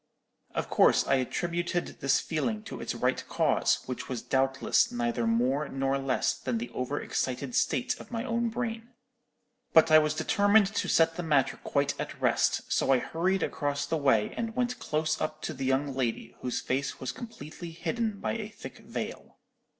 "Of course I attributed this feeling to its right cause, which was doubtless neither more nor less than the over excited state of my own brain. But I was determined to set the matter quite at rest, so I hurried across the way and went close up to the young lady, whose face was completely hidden by a thick veil.